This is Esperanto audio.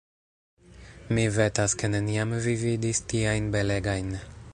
Mi vetas, ke neniam vi vidis tiajn belegajn.